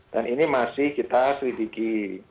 dan ini masih kita selidiki